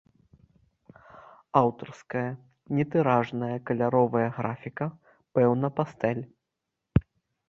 Аўтарская нетыражная каляровая графіка, пэўна пастэль.